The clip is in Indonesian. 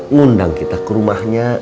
ngundang kita ke rumah nya